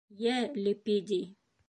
Йә, Лепидий!